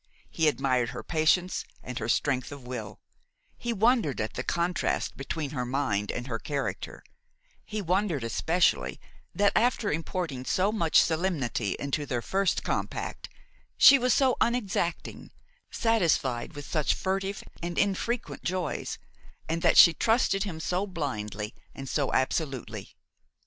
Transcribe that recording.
He admired her patience and her strength of will; he wondered at the contrast between her mind and her character; he wondered especially that, after importing so much solemnity into their first compact, she was so unexacting, satisfied with such furtive and infrequent joys, and that she trusted him so blindly and so absolutely.